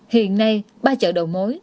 hiện nay ba chợ đầu mối